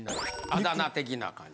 「あだ名」的な感じ。